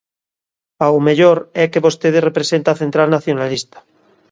Ao mellor é que vostede representa a central nacionalista.